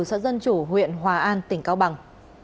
sở dân chủ huyện hòa an tỉnh cao bằng